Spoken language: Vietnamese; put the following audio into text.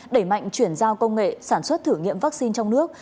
đẩy mạnh chuyển giao công nghệ sản xuất thử nghiệm vaccine trong nước